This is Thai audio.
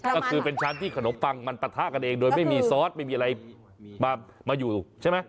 ก็คือเป็นชั้นที่ขนมปังมันปะทะกันเองโดยไม่มีซอสไม่มีอะไรมาอยู่ใช่ไหม